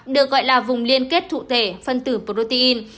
được gọi là vùng liên kết cụ thể phân tử protein